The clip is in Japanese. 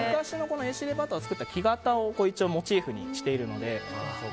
エシレバターを作った時の木型をモチーフにしているので。